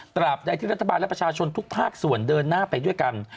บใดที่รัฐบาลและประชาชนทุกภาคส่วนเดินหน้าไปด้วยกัน